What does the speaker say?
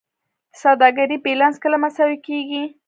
د سوداګرۍ بیلانس کله مساوي کیږي؟